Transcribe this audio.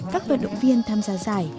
các vận động viên tham gia giải